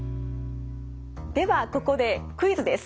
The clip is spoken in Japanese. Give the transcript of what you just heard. ではここでクイズです。